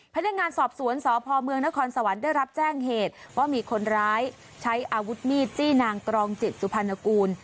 พนักงานสอบสวนสพเมืองนครสวรรค์ได้รับแจ้งเหตุว่ามีคนร้ายใช้อาวุธมีดจี้นางกรองจิตสุพรรณกูล